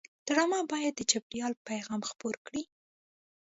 ډرامه باید د چاپېریال پیغام خپور کړي